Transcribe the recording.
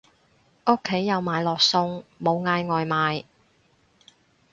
屋企有買落餸，冇嗌外賣